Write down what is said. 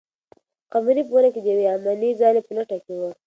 قمري په ونې کې د یوې امنې ځالۍ په لټه کې وه.